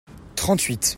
trente huit.